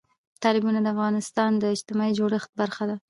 تالابونه د افغانستان د اجتماعي جوړښت برخه ده.